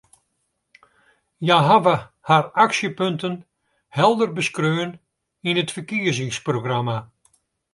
Hja hawwe har aksjepunten helder beskreaun yn it ferkiezingsprogramma.